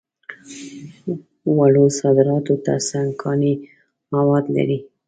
وړو صادراتو تر څنګ کاني مواد لري.